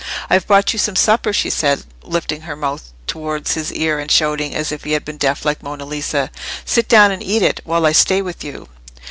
"I've brought you some supper," she said, lifting her mouth towards his ear and shouting, as if he had been deaf like Monna Lisa. "Sit down and eat it, while I stay with you."